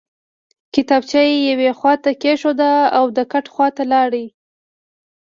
کتابچه یې یوې خواته کېښوده او د کټ خواته لاړ